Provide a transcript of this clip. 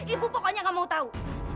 ibu pokoknya gak mau tahu